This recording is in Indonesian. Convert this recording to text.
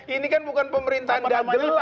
ini kan bukan pemerintahan dagelan gitu loh